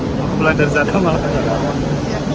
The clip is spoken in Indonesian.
kurang dari satu malam